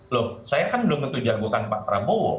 loh saya kan belum menuju jago kan pak prabowo